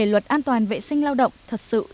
luật an toàn vệ sinh lao động thật sự đi vào cuộc sống